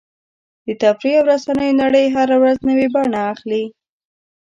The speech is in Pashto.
د تفریح او رسنیو نړۍ هره ورځ نوې بڼه اخلي.